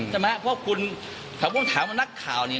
ถ้าผมถามว่านักข่าวเนี่ย